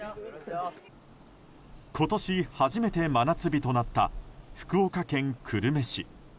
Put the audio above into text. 今年初めて真夏日となった福岡県久留米市。